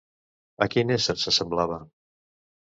A quin ésser s'assemblava?